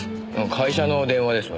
会社の電話ですよね。